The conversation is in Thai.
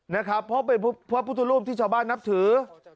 นะครับเพราะเป็นพระพุทธรูปที่ชาวบ้านนับถือ